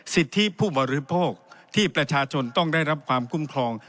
สิทธิผู้บริโภคที่ประชาชนต้องได้รับความคุ้มครอง